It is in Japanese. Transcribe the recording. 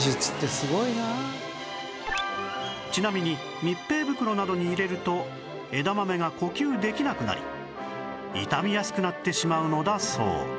ちなみに密閉袋などに入れると枝豆が呼吸できなくなり傷みやすくなってしまうのだそう